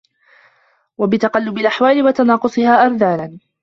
وَبِتَقَلُّبِ الْأَحْوَالِ وَتَنَاقُصِهَا أَرْذَالًا